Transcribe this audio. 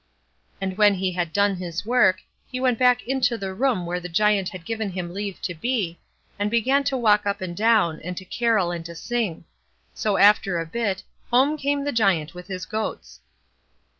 And when he had done his work, he went back into the room where the Giant had given him leave to be, and began to walk up and down, and to carol and sing. So after a bit, home came the Giant with his goats.